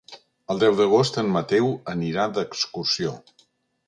El deu d'agost en Mateu anirà d'excursió.